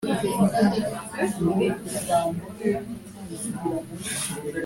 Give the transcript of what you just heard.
kuzamuka mu ntera